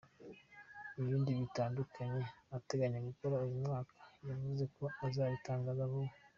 Ibindi bitandukanye ateganya gukora uyu mwaka, yavuze ko azabitangaza vuba.